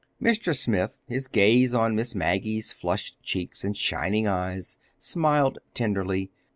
Mr. Smith, his gaze on Miss Maggie's flushed cheeks and shining eyes, smiled tenderly.